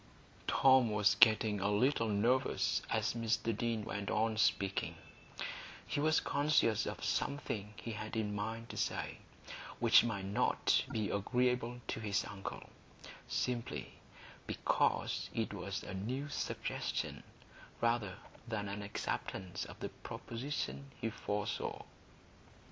Tom was getting a little nervous as Mr Deane went on speaking; he was conscious of something he had in his mind to say, which might not be agreeable to his uncle, simply because it was a new suggestion rather than an acceptance of the proposition he foresaw.